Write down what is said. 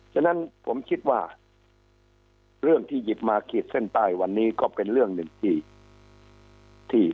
ฉะนั้นผมคิดว่าเรื่องที่หยิบมาขีดเส้นใต้วันนี้ก็เป็นเรื่องหนึ่งที่